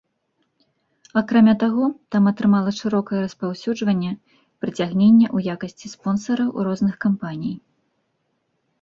Акрамя таго там атрымала шырокае распаўсюджванне прыцягненне ў якасці спонсараў розных кампаній.